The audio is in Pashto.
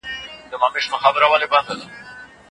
ایا لوی صادروونکي وچ زردالو اخلي؟